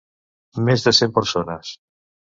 Mes de cent persones...